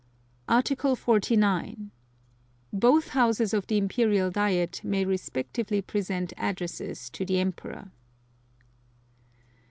Article 49. Both Houses of the Imperial Diet may respectively present addresses to the Emperor.